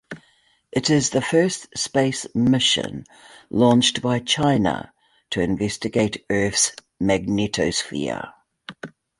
It is the first space mission launched by China to investigate Earth's magnetosphere.